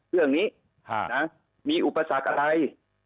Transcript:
เรื่องนี้มีอุปสรรคอะไร